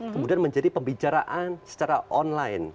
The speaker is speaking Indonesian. kemudian menjadi pembicaraan secara online